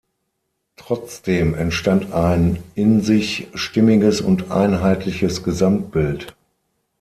Trotzdem entstand ein in sich stimmiges und einheitliches Gesamtbild.